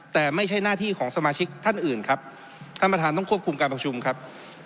แต่ไม่ใช่หน้าที่ของสมาชิกท่านอื่นครับท่านประธานต้องควบคุมการประชุมครับ